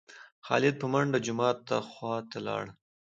خالد په منډه جومات خوا ته لاړ.